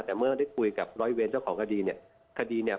แต่เมื่อได้คุยกับร้อยเว้นเจ้าของคดีเนี่ย